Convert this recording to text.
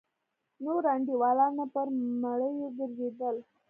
نور انډيوالان مې پر مړيو گرځېدل.